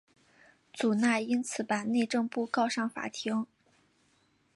祖纳因此把内政部告上法庭。